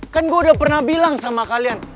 kan gue udah pernah bilang sama kalian